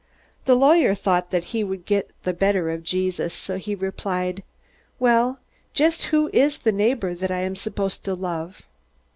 The lawyer thought that he would get the better of Jesus, so he replied, "Well, just who is the neighbor that I am supposed to love?"